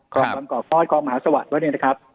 กรอบความก่อฟอสกรองมหาสวรรค์แล้วเนี่ยนะครับ